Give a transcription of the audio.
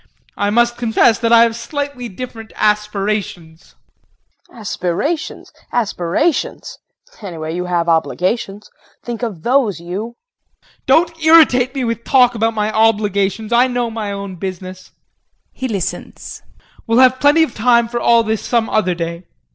I must confess that I have slightly different aspirations. KRISTIN. Aspirations? Aspirations anyway you have obligations. Think of those, you. JEAN. Don't irritate me with talk about my obligations. I know my own business. [He listens.] We'll have plenty of time for all this some other day.